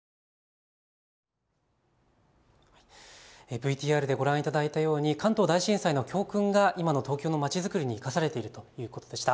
ＶＴＲでご覧いただいたように関東大震災の教訓が今の東京のまちづくりに生かされているということでした。